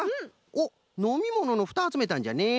おっのみもののフタあつめたんじゃね。